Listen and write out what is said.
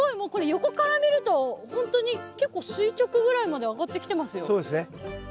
横から見るとほんとに結構垂直ぐらいまで上がってきてますよ。